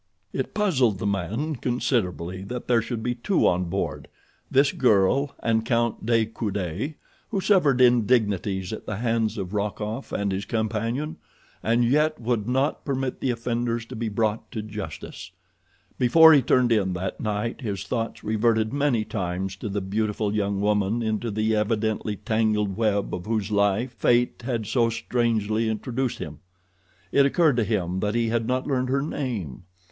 It puzzled the man considerably that there should be two on board—this girl and Count de Coude—who suffered indignities at the hands of Rokoff and his companion, and yet would not permit the offenders to be brought to justice. Before he turned in that night his thoughts reverted many times to the beautiful young woman into the evidently tangled web of whose life fate had so strangely introduced him. It occurred to him that he had not learned her name.